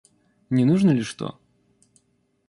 Не нужно ли что?